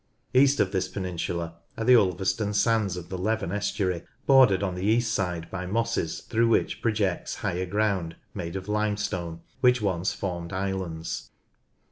East of this peninsula are the Ulvcr ston sands of the Leven estuary, bordered on the east side by mosses through which projects higher ground made of limestone, which once formed islands.